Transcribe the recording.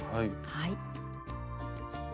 はい。